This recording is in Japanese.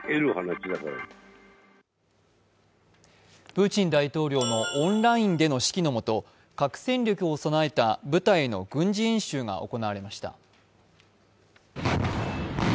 プーチン大統領のオンラインでの指揮のもと核戦力を備えた部隊の軍事演習が行われました。